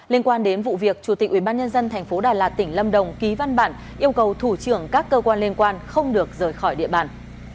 liên quan đến vụ việc chủ tịch ubnd tp đà lạt tỉnh lâm đồng ký văn bản yêu cầu thủ trưởng các cơ quan liên quan không được rời khỏi địa bàn